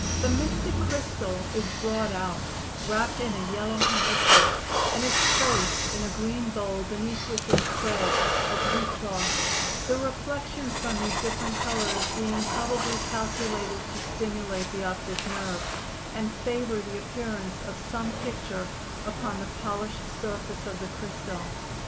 The mystic crystal is brought out wrapped in a yellow handkerchief, and is placed in a green bowl beneath which is spread a blue cloth, the reflections from these different colors being probably calculated to stimulate the optic nerve and favor the appearance of some picture upon the polished surface of the crystal.